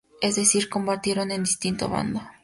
Es decir, combatieron en distinto bando.